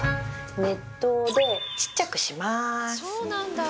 熱湯で小っちゃくします。